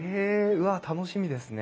うわっ楽しみですね。